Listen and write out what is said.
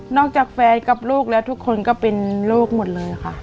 จากแฟนกับลูกแล้วทุกคนก็เป็นลูกหมดเลยค่ะ